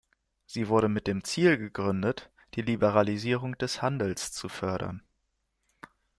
Sie wurde mit dem Ziel gegründet, die Liberalisierung des Handels zu fördern.